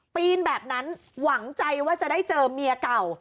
ปีนแบบนั้นหวังใจว่าจะได้เจอเมียเก่า